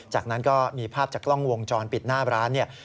จากนั้นก็มีภาพจากกล้องวงจรปิดหน้าร้านเนี่ย